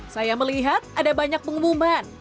saya melihat ada banyak pengumuman